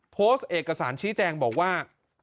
โพสต์เอกสารชี้แจงบอกว่า